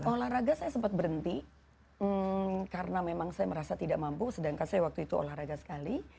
olahraga saya sempat berhenti karena memang saya merasa tidak mampu sedangkan saya waktu itu olahraga sekali